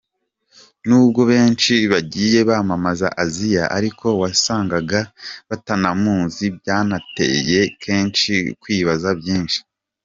Nubwo benshi bagiye bamamaza Assia ariko wasangaga batanamuzi byanateye benshi kwibaza byinshi.